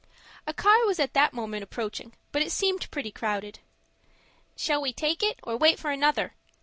A car was at that moment approaching, but it seemed pretty crowded. "Shall we take that, or wait for another?"